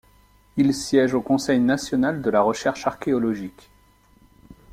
Il siège au Conseil national de la recherche archéologique.